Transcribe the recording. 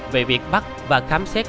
về việc bắt và khám xét